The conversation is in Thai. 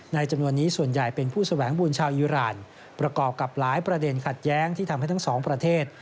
จำนวนนี้ส่วนใหญ่เป็นผู้แสวงบุญชาวอิราณประกอบกับหลายประเด็นขัดแย้งที่ทำให้ทั้งสองประเทศ